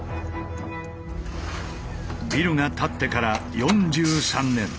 ビルが建ってから４３年。